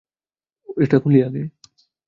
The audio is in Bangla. এটা খুলি আগে।